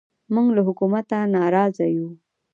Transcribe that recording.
موږ له حکومته نارازه یو